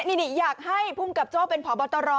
นี่อยากให้ภูมิกับโจ้เป็นผอบตร